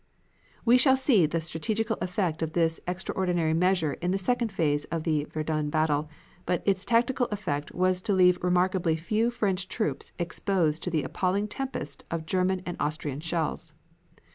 "We shall see the strategical effect of this extraordinary measure in the second phase of the Verdun battle, but its tactical effect was to leave remarkably few French troops exposed to the appalling tempest of German and Austrian shells.